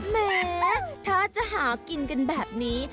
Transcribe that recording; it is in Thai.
แม้ถ้าจะหากินกันแบบนี้